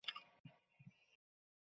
ওদের বদলে, তোর যাওয়া উচিত ছিল।